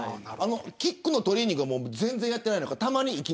キックのトレーニングは全然やってないんですか。